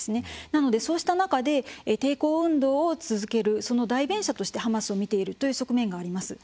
なのでそうした中で抵抗運動を続けるその代弁者としてハマスを見ているという側面があります。